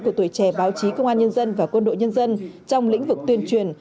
của tuổi trẻ báo chí công an nhân dân và quân đội nhân dân trong lĩnh vực tuyên truyền